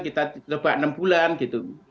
kita coba enam bulan gitu